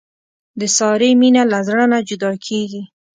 د سارې مینه له زړه نه جدا کېږي.